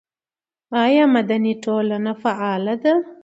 آیا مدني ټولنه فعاله ده؟